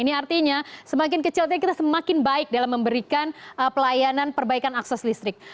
ini artinya semakin kecil kita semakin baik dalam memberikan pelayanan perbaikan akses listrik